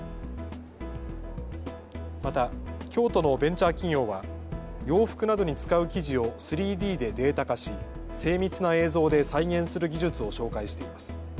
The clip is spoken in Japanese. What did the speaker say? また京都のベンチャー企業は洋服などに使う生地を３Ｄでデータ化し精密な映像で再現する技術を紹介しています。